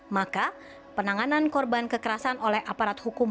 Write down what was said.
maka penanganan korban kekerasan oleh aparat hukum